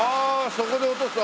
そこで落とすと。